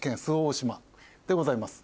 でございます。